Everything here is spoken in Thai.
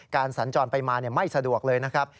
สัญจรไปมาไม่สะดวกเลยนะครับ